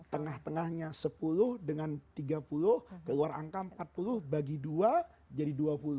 tengah tengahnya sepuluh dengan tiga puluh keluar angka empat puluh bagi dua jadi dua puluh